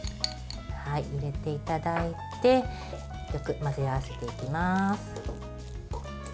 入れていただいてよく混ぜ合わせていきます。